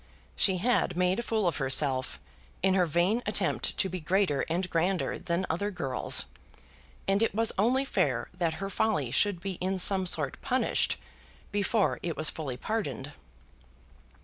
She had made a fool of herself in her vain attempt to be greater and grander than other girls, and it was only fair that her folly should be in some sort punished before it was fully pardoned.